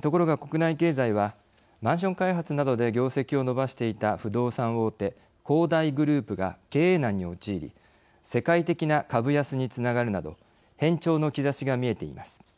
ところが国内経済はマンション開発などで業績を伸ばしていた不動産大手恒大グループが経営難に陥り世界的な株安につながるなど変調の兆しが見えています。